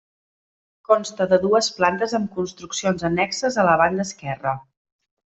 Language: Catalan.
Consta de dues plantes amb construccions annexes a la banda esquerra.